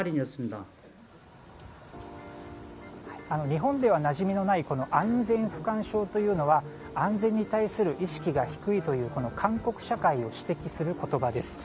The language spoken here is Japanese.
日本ではなじみのない安全不感症というのは安全に対する意識が低いという韓国社会を指摘する言葉です。